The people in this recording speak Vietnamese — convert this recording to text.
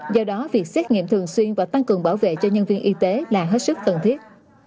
do đó việc xét nghiệm thường xuyên và tăng cường bảo vệ cho nhân viên y tế là hết sức cần thiết